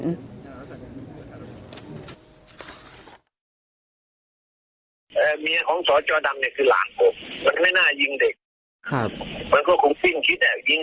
สวัสดีอาทิตย์